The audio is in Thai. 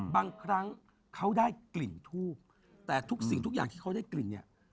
บางครั้งเขาได้กลิ่นทูบแต่ทุกสิ่งทุกอย่างที่เขาได้กลิ่นเนี่ย